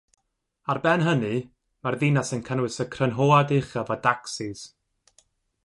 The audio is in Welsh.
Ar ben hynny, mae'r ddinas yn cynnwys y crynhoad uchaf o dacsis.